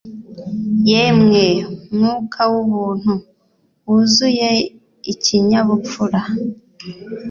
Yemwe mwuka w'ubuntu wuzuye ikinyabupfura